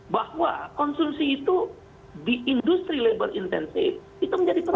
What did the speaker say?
bahwa konsumsi itu di industri labor intensif itu menjadi penting